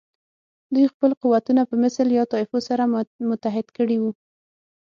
دوی خپل قوتونه په مثل یا طایفو سره متحد کړي وو.